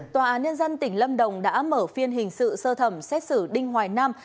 tòa án nhân dân tỉnh lâm đồng đã mở phiên hình sự sơ thẩm xét xử đinh hoài nam